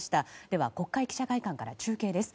では国会記者会館から中継です。